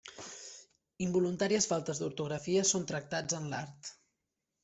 Involuntàries faltes d'ortografia són tractats en l'art.